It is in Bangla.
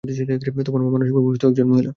তোমার মা মানসিকভাবে অসুস্থ একজন মহিলা।